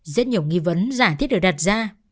rất nhiều nghi vấn giải thiết được đặt ra